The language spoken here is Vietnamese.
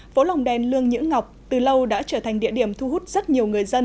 phố lòng đèn lương nhữ ngọc từ lâu đã trở thành địa điểm thu hút rất nhiều người dân